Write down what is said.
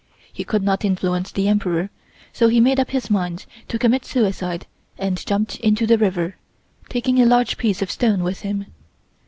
He could not influence the Emperor, so he made up his mind to commit suicide and jumped into the river, taking a large piece of stone with him.